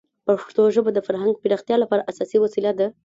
پښتو ژبه د فرهنګ پراختیا لپاره اساسي وسیله ده.